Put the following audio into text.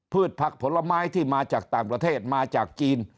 ผักผลไม้ที่มาจากต่างประเทศมาจากจีน